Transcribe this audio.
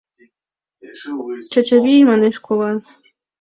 — Чачавий! — манеш кува.